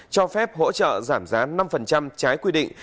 cho phép hỗ trợ giảm giá năm trái quy định